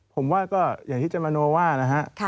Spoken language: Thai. ผมว่าก็อย่างที่เจ๊มโนว่านะฮะ